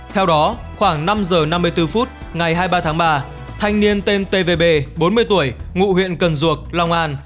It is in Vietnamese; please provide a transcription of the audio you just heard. theo đó khoảng năm giờ năm mươi bốn phút ngày hai mươi ba tháng ba thanh niên tên tvb bốn mươi tuổi ngụ huyện cần duộc long an